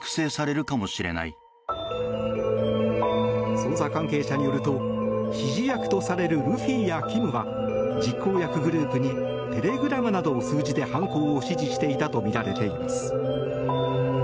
捜査関係者によると指示役とされるルフィやキムは実行役グループにテレグラムなどを通じて犯行を指示していたとみられています。